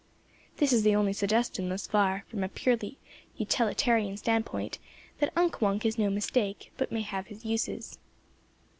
This is the only suggestion thus far, from a purely utilitarian standpoint, that Unk Wunk is no mistake, but may have his uses.